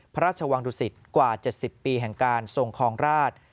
พระราชวังดุสิตกว่า๗๐ปีแห่งการทรงคลองราช